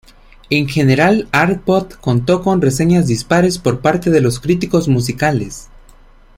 En general, "Artpop" contó con reseñas dispares por parte de los críticos musicales.